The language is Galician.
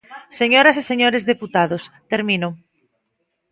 Señoras e señores deputados, termino.